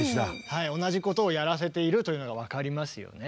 はい同じことをやらせているというのが分かりますよね。